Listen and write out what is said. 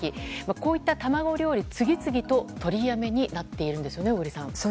こういった卵料理次々と取りやめになっているんですよね、小栗さん。